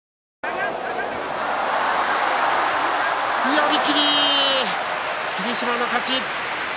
寄り切り、霧島の勝ち。